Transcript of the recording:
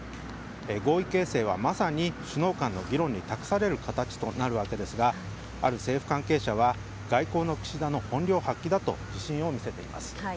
合意形成はまさに首脳間の議論に託される形となりますがある政府関係者は外交の岸田の本領発揮だと自信を見せています。